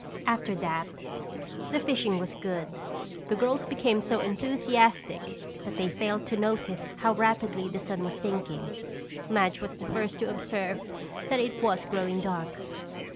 After that, the fishing was good. The girls became so enthusiastic that they failed to notice how rapidly the sun was sinking. Madge was the first to observe that it was growing dark.